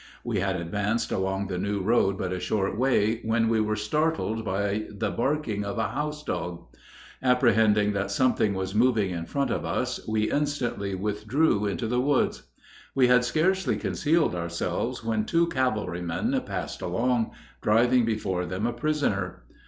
We had advanced along the new road but a short way when we were startled by the barking of a house dog. Apprehending that something was moving in front of us, we instantly withdrew into the woods. We had scarcely concealed ourselves when two cavalrymen passed along, driving before them a prisoner.